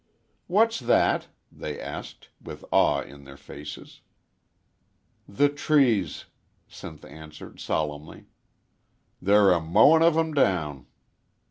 "What's that?" they asked, with awe in their faces. "The trees," Sinth answered, solemnly. "They're a mowin' of 'em down."